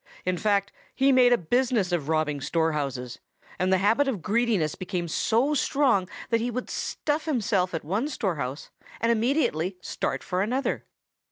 In fact, he made a business of robbing storehouses, and the habit of greediness became so strong that he would stuff himself at one storehouse and immediately start for another.